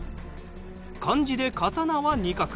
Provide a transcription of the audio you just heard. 漢字で「刀」は２画。